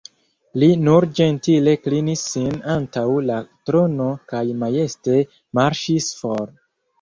Li nur ĝentile klinis sin antaŭ la trono kaj majeste marŝis for.